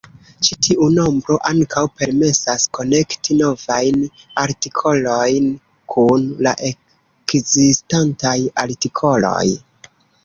Ĉi tiu nombro ankaŭ permesas konekti novajn artikolojn kun la ekzistantaj artikoloj.